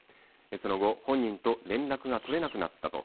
その後、本人と連絡が取れなくなったと。